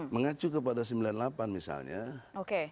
mengacu kepada sembilan puluh delapan misalnya